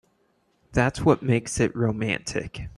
That's what makes it romantic.